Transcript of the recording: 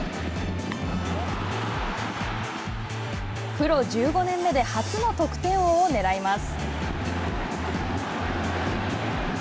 プロ１５年目で初の得点王をねらいます。